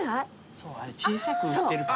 そうあれ小さく売ってるから。